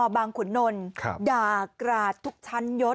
สรบางขุนนลด่ากราชทุกชั้นยศ